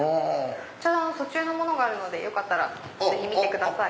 ちょうど途中のものがあるのでよかったらぜひ見てください。